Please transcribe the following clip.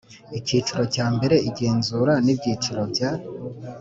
Icyiciro cya mbere Igenzura n ibyiciro bya